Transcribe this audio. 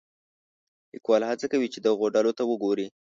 لیکوال هڅه کوي چې دغو ډلو ته وګوري.